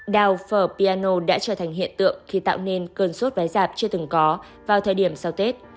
đào phở và piano đã trở thành hiện tượng khi tạo nên cơn sốt vé giạp chưa từng có vào thời điểm sau tết